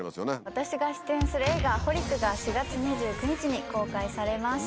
私が出演する映画『ホリックｘｘｘＨＯＬｉＣ』が４月２９日に公開されます。